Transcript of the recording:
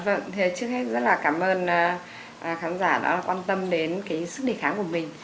vâng trước hết rất là cảm ơn khán giả đã quan tâm đến cái sức đề kháng của mình